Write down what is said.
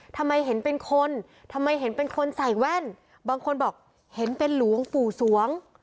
ทำไมเห็นเป็นคนทำไมเห็นเป็นคนใส่แว่นบางคนบอกเห็นเป็นหลวงปู่สวง